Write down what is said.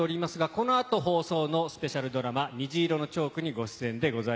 この後、放送のスペシャルドラマ『虹色のチョーク』にご出演です。